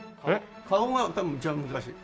顔が一番難しい。